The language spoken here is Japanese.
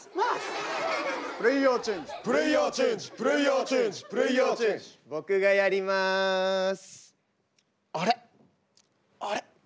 あれ？